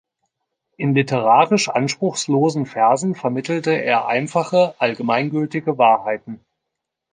In literarisch anspruchslosen Versen vermittelte er einfache, allgemeingültige Wahrheiten.